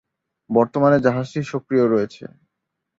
বর্তমানে জাহাজটি সক্রিয় রয়েছে।